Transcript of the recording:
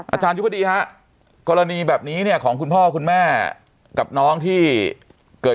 ยุบดีฮะกรณีแบบนี้เนี่ยของคุณพ่อคุณแม่กับน้องที่เกิด